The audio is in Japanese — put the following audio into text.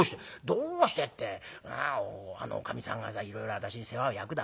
「どうしてってあのおかみさんがさいろいろ私に世話を焼くだろ。